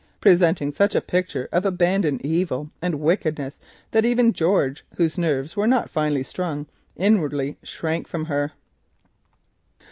presenting such a picture of abandoned rage and wickedness that even George, whose feelings were not finely strung, inwardly shrank from her.